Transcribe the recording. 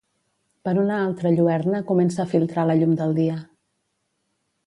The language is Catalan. Per una alta lluerna comença a filtrar la llum del dia.